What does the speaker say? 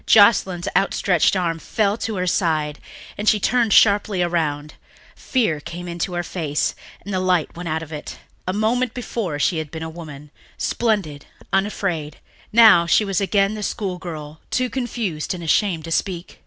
Joscelyn's outstretched arm fell to her side and she turned sharply around; fear came into her face and the light went out of it. A moment before she had been a woman, splendid, unafraid; now she was again the schoolgirl, too confused and shamed to speak.